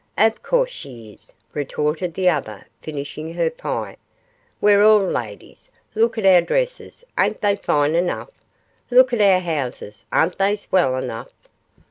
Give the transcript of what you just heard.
'Of course she is,' retorted the other, finishing her pie; 'we're all ladies; look at our dresses, ain't they fine enough? Look at our houses, aren't they swell enough?